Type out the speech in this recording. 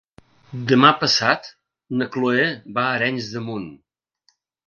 Demà passat na Chloé va a Arenys de Munt.